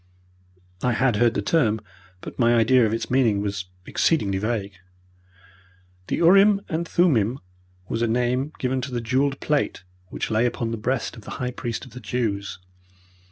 I had heard the term, but my idea of its meaning was exceedingly vague. "The urim and thummim was a name given to the jewelled plate which lay upon the breast of the high priest of the Jews.